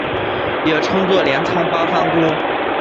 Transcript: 也称作镰仓八幡宫。